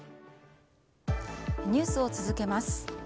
ニュースを続けます。